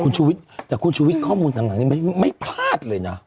คุณชูวิทย์แต่คุณชุวิตข้อมูลต่างนี้ไม่พลาดเลยนะ